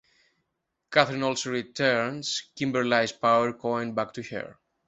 Katherine also returns Kimberly's Power Coin back to her.